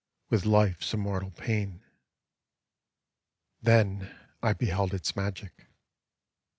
With life's immortal pain. Then I beheld its magic.